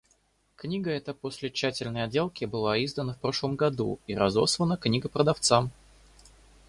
Книга эта после тщательной отделки была издана в прошлом году и разослана книгопродавцам.